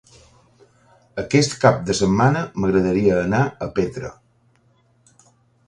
Aquest cap de setmana m'agradaria anar a Petra.